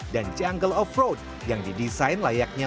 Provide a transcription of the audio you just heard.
dan jungle off road yang didesain layaknya